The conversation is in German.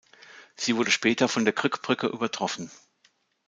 Sie wurde später von der Krk-Brücke übertroffen.